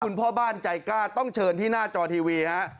คุณพ่อบ้านใจกล้าต้องเชิญที่หน้าจอทีวีฮะ